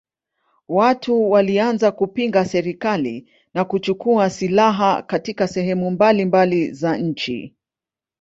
Watu walianza kupinga serikali na kuchukua silaha katika sehemu mbalimbali za nchi.